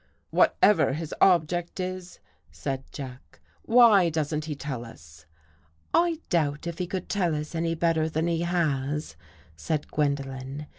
" Whatever his object is," said Jack, " why doesn't he tell us ?"" I doubt if he could tell us any better than he has," said Gwendolen.